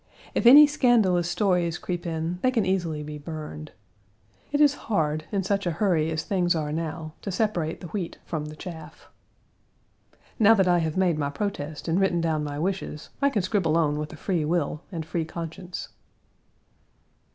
If any scandalous stories creep in they can easily be burned. It is hard, in such a hurry as things are now, to separate the wheat from the chaff. Now that I have made my protest and written down my wishes, I can scribble on with a free will and free conscience.